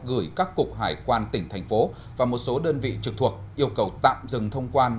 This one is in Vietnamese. gửi các cục hải quan tỉnh thành phố và một số đơn vị trực thuộc yêu cầu tạm dừng thông quan